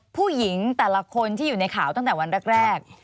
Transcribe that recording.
ผู้หญิงแต่ละคนที่อยู่ในข่าวตั้งแต่วันแรก